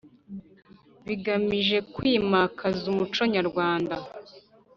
bigamije kwimakaza umuco nyarwanda